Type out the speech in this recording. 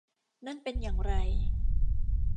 นั่นเป็นอย่างไร